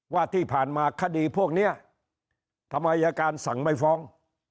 ว่าที่ผ่านมาคดีพวกนี้ทำไมอายการสั่งไม่ฟ้อง